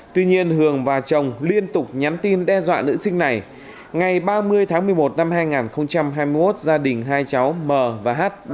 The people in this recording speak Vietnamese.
tuy nhiên hường và chồng liên tục nhắn tin đe dọa nữ sinh này ngày ba mươi tháng một mươi một năm hai nghìn hai mươi một gia đình hai cháu mờ và hát